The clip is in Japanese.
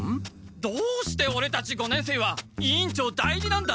どうしてオレたち五年生は委員長代理なんだ。